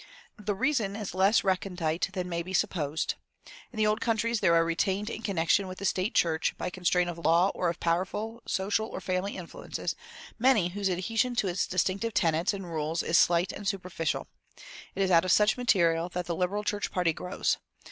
The reason is less recondite than might be supposed. In the old countries there are retained in connection with the state church, by constraint of law or of powerful social or family influences, many whose adhesion to its distinctive tenets and rules is slight and superficial. It is out of such material that the liberal church party grows.